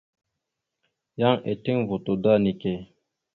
Yan eteŋ voto da neke.